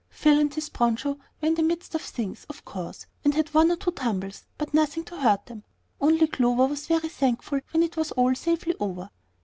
Phil and his broncho were in the midst of things, of course, and had one or two tumbles, but nothing to hurt them; only Clover was very thankful when it was all safely over.